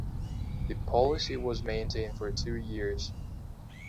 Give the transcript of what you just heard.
The policy was maintained for two years.